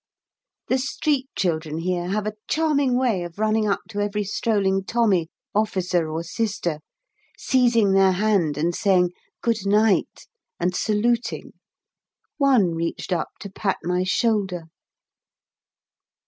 The street children here have a charming way of running up to every strolling Tommy, Officer, or Sister, seizing their hand, and saying, "Goodnight," and saluting; one reached up to pat my shoulder.